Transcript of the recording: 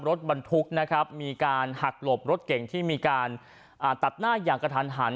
รถบรรทุกนะครับมีการหักหลบรถเก่งที่มีการตัดหน้าอย่างกระทันหัน